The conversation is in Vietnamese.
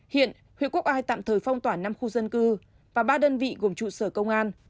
hiện huyện quốc ai tạm thời phong tỏa năm khu dân cư và ba đơn vị gồm trụ sở công an